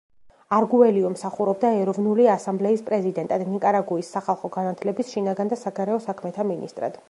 არგუელიო მსახურობდა ეროვნული ასამბლეის პრეზიდენტად, ნიკარაგუის სახალხო განათლების, შინაგან და საგარეო საქმეთა მინისტრად.